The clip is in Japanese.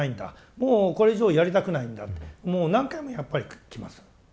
もうこれ以上やりたくないんだってもう何回もやっぱりきます。